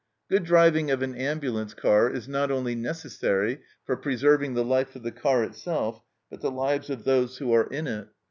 Good driving of an ambulance car is not only necessary for preserving the life of the car itself, but the lives of those who are in it.